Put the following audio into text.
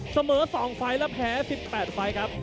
เสมอ๒ไฟล์และแพ้๑๘ไฟล์ครับ